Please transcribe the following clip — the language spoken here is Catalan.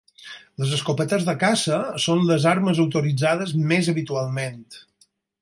Les escopetes de caça són les armes autoritzades més habitualment.